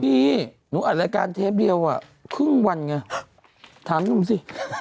พี่หนูอัดรายการเทปเดียวอ่ะครึ่งวันไงถามหนุ่มสิ